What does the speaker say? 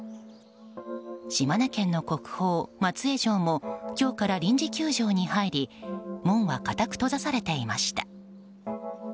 島根県の国宝・松江城も今日から臨時休城に入り門は固く閉ざされていました。